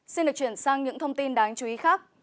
xin được chuyển sang những thông tin đáng chú ý khác